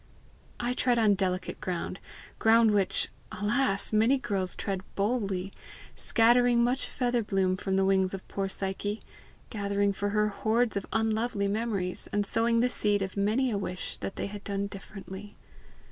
I tread on delicate ground ground which, alas! many girls tread boldly, scattering much feather bloom from the wings of poor Psyche, gathering for her hoards of unlovely memories, and sowing the seed of many a wish that they had done differently.